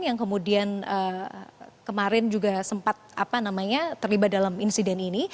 yang kemudian kemarin juga sempat terlibat dalam insiden ini